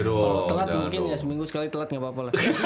kalau telat mungkin ya seminggu sekali telat gak apa apa lah